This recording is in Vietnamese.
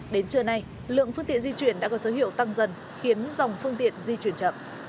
đến trưa nay lượng phương tiện di chuyển đã có dấu hiệu tăng dần khiến dòng phương tiện di chuyển chậm